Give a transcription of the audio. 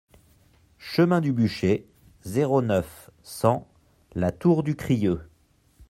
Chemin du Bûcher, zéro neuf, cent La Tour-du-Crieu